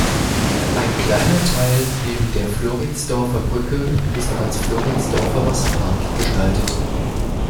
Ein kleiner Teil neben der Floridsdorfer Brücke ist als Floridsdorfer Wasserpark gestaltet.